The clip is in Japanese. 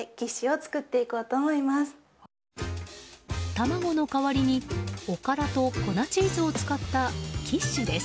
卵の代わりにおからと粉チーズを使ったキッシュです。